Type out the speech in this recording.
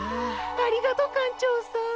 ありがとう館長さん。